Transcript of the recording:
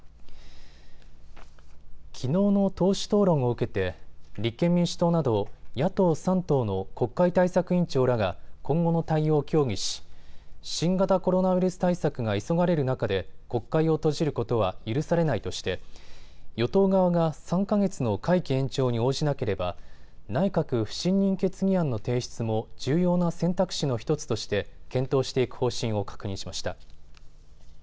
きのうの党首討論を受けて立憲民主党など野党３党の国会対策委員長らが今後の対応を協議し、新型コロナウイルス対策が急がれる中で国会を閉じることは許されないとして与党側が３か月の会期延長に応じなければ内閣不信任決議案の提出も重要な選択肢の１つとして検討していく方針を確認しました。